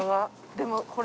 でも。